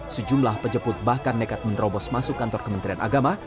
sejumlah penjemput bahkan nekat menerobos masuk kantor kementerian agama